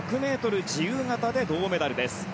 １００ｍ自由形で銅メダルです。